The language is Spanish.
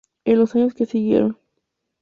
En los años que siguieron,